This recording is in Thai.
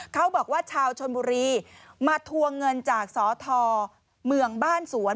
ชาวชนบุรีมาทวงเงินจากสทเมืองบ้านสวน